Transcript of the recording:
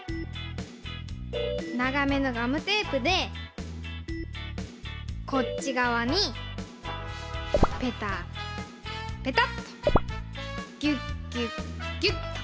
ながめのガムテープでこっちがわにペタッペタッと！ギュッギュッギュッと！